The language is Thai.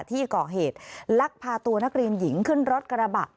ที่ก่อเหตุลักพาตัวนักเรียนหญิงขึ้นรถกระบะ